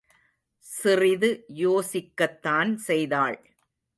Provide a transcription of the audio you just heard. சிறிது யோசிக்கத்தான் செய்தாள்.